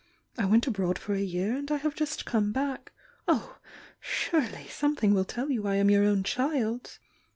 I went abroad for a year and I have just come back. Oh, surely something will tell you I am your own ch d!